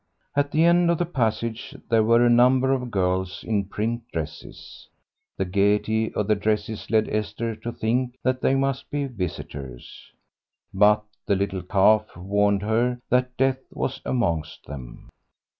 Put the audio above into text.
At the end of the passage there were a number of girls in print dresses. The gaiety of the dresses led Esther to think that they must be visitors. But the little cough warned her that death was amongst them.